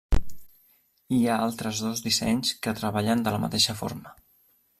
Hi ha d'altres dos dissenys que treballen de la mateixa forma.